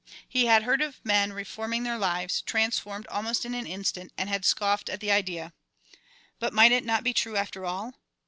He had heard of men reforming their lives, transformed almost in an instant, and had scoffed at the idea. But might it not be true, after all?